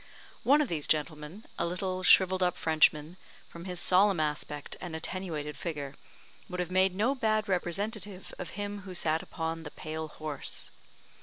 One of these gentlemen a little, shrivelled up Frenchman from his solemn aspect and attenuated figure, would have made no bad representative of him who sat upon the pale horse.